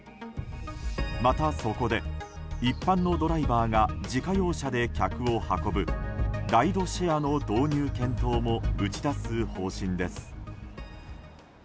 また、そこで一般のドライバーが自家用車で客を運ぶライドシェアの導入検討も打ち出す方針です。